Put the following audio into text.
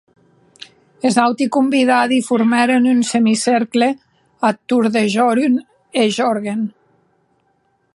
Es auti convidadi formèren un semicercle ath torn de Jorun e Jorgen.